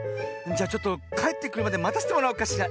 じゃちょっとかえってくるまでまたせてもらおうかしら。